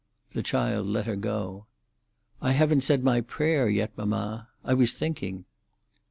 The child let her go. "I haven't said my prayer yet, mamma. I was thinking."